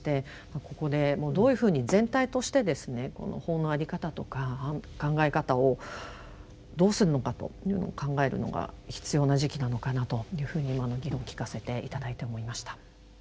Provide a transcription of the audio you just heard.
ここでどういうふうに全体としてですね法の在り方とか考え方をどうするのかというのを考えるのが必要な時期なのかなというふうに今の議論を聞かせて頂いて思いました。